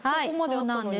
そうなんです。